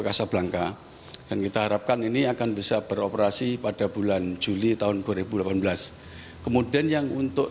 kasablangka dan kita harapkan ini akan bisa beroperasi pada bulan juli tahun dua ribu delapan belas kemudian yang untuk